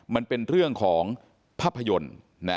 มันเป็นเรื่องของภาพยนตร์